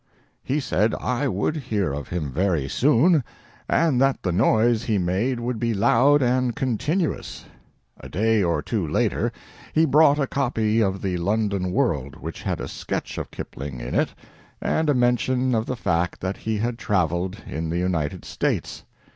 He said I would hear of him very soon, and that the noise he made would be loud and continuous. .. A day or two later he brought a copy of the London "World" which had a sketch of Kipling in it and a mention of the fact that he had traveled in the United States.